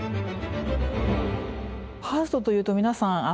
ハーストというと皆さん